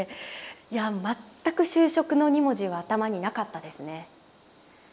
いや全く就職の２文字は頭になかったですね。